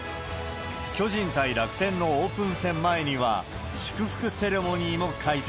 巨人対楽天のオープン戦前には、祝福セレモニーも開催。